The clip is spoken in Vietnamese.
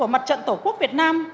mặt trận tổ quốc việt nam